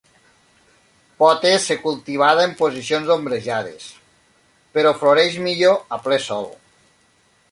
Pot ésser cultivada en posicions ombrejades, però floreix millor a ple Sol.